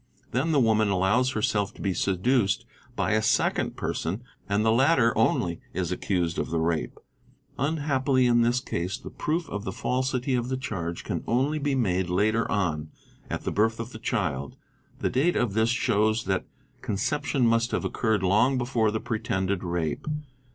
Then the woman allows herself to be seduced by a second person and the latter only is accused of the rape. Unhappily in this case the proof of the falsity of the charge can often only be made later on, at the birth of the child; the date of this shows that conception must have occurred long before the pretended rape.